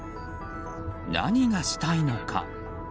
何がしたいのか。